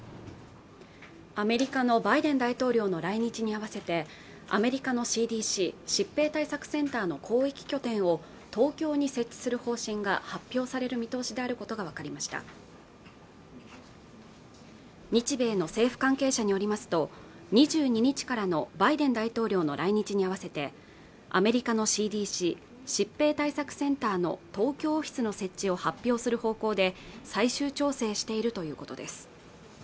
アメリカのバイデン大統領の来日に合わせてアメリカのＣＤＣ＝疾病対策センターの広域拠点を東京に設置する方針が発表される見通しであることが分かりました日米の政府関係者によりますと２２日からのバイデン大統領の来日に合わせてアメリカのＣＤＣ＝疾病対策センターの東京オフィスの設置を発表する方向で最終調整しているということです